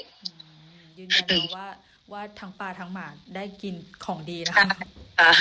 ยืนยันถึงว่าทั้งปลาทั้งหมาได้กินของดีนะคะ